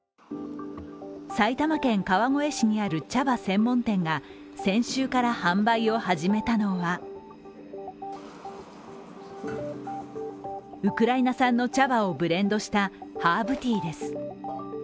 埼玉県川越市にある茶葉専門店が先週から販売を始めたのはウクライナ産の茶葉をブレンドしたハーブティーです。